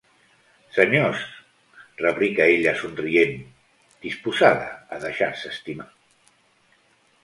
Senyors —replica ella somrient, disposada a deixar-se estimar.